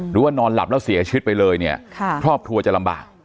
นอนหลับแล้วเสียชีวิตไปเลยเนี่ยครอบครัวจะลำบาก